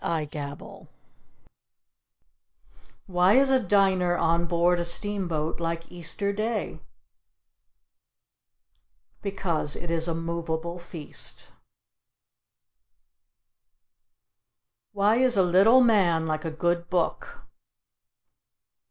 (Indefatigable.) Why is a diner on board a steam boat like Easter Day? Because it is a movable feast. Why is a little man like a good book?